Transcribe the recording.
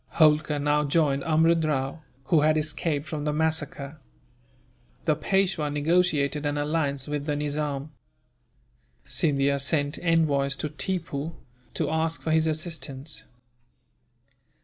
Holkar now joined Amrud Rao, who had escaped from the massacre. The Peishwa negotiated an alliance with the Nizam. Scindia sent envoys to Tippoo, to ask for his assistance.